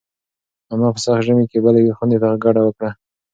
انا په سخت ژمي کې بلې خونې ته کډه وکړه.